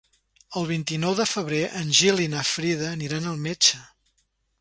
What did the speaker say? El vint-i-nou de febrer en Gil i na Frida aniran al metge.